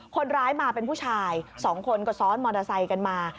คนร้ายมาเป็นผู้ชายสองคนก็ซ้อนมอเตอร์ไซค์กันมา